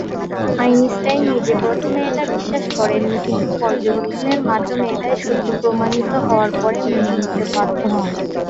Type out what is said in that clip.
Einstein নিজে প্রথমে এটা বিশ্বাস করেননি, কিন্তু পর্যবেক্ষণের মাধ্যমে এটাই সত্য প্রমাণিত হওয়ার পর মেনে নিতে বাধ্য হন।